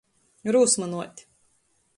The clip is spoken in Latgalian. Rūsmynuot.